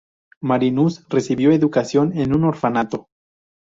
Marinus recibió educación en un orfanato.